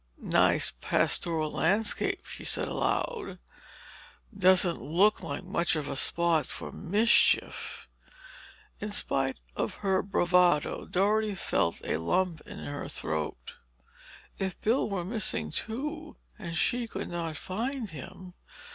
"Nice pastoral landscape," she said aloud. "Doesn't look like much of a spot for mischief—" In spite of her bravado, Dorothy felt a lump in her throat. If Bill were missing, too, and she could not find him....